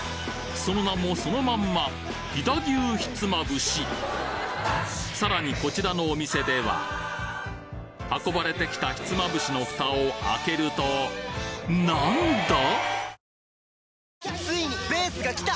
その名もそのまんま飛騨牛ひつまぶしさらにこちらのお店では運ばれてきたひつまぶしの蓋を開けると何だ！？